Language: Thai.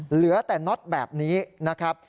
เหลือแต่น็อตแบบนี้นะครับ